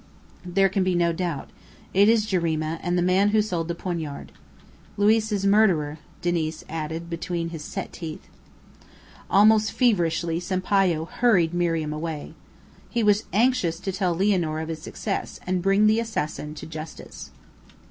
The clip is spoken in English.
"There can be no doubt. It is Jarima, and the man who sold the poignard." "Luiz's murderer," Diniz added between his set teeth. Almost feverishly Sampayo hurried Miriam away. He was anxious to tell Lianor of his success, and bring the assassin to justice.